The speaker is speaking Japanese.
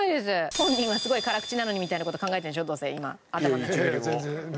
本人はすごい辛口なのにみたいな事考えてるんでしょどうせ今。